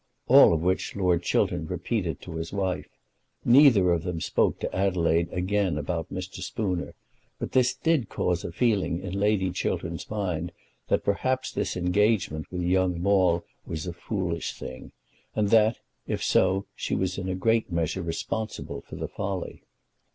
All which Lord Chiltern repeated to his wife. Neither of them spoke to Adelaide again about Mr. Spooner; but this did cause a feeling in Lady Chiltern's mind that perhaps this engagement with young Maule was a foolish thing, and that, if so, she was in a great measure responsible for the folly.